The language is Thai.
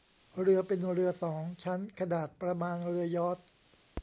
เรือเป็นเรือ สอง ชั้นขนาดประมาณเรือยอร์ช